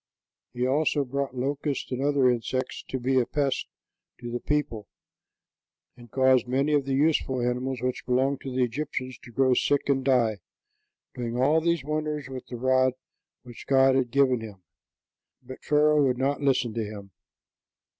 He also brought locusts and other insects to be a pest to the people, and caused many of the useful animals which belonged to the Egyptians to grow sick and die, doing all these wonders with the rod which God had given him. But Pharaoh would not listen to him.